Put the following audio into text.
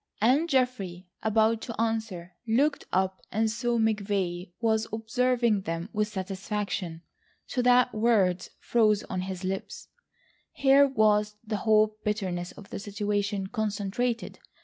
And Geoffrey, about to answer, looked up and saw McVay was observing them with satisfaction, so that words froze on his lips. Here was the whole bitterness of the situation concentrated.